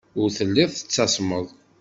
Ur telliḍ tettasmeḍ.